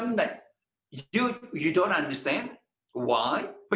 mengapa tapi anda menyukainya